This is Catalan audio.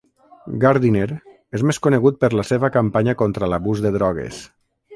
Gardiner és més conegut per la seva campanya contra l'abús de drogues.